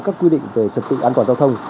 các quy định về trật tự an toàn giao thông